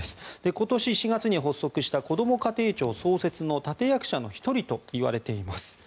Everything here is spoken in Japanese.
今年４月に発足したこども家庭庁創設の立役者の１人といわれています。